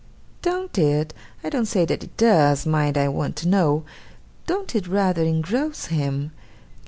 'Don't it I don't say that it does, mind I want to know don't it rather engross him?